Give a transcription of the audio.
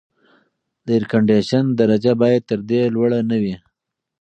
د اېرکنډیشن درجه باید تر دې لوړه نه وي.